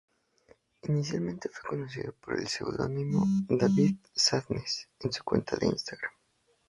Inicialmente fue conocido por el seudónimo 'David Sadness' en su cuenta de Instagram.